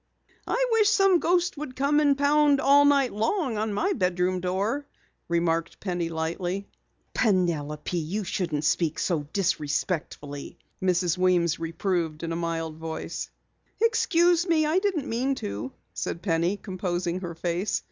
"I wish some ghost would come and pound all night long on my bedroom door," remarked Penny lightly. "Penelope, you shouldn't speak so disrespectfully," Mrs. Weems reproved in a mild voice. "Excuse me, I didn't mean to," said Penny, composing her face.